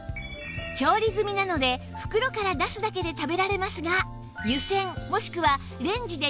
調理済みなので袋から出すだけで食べられますが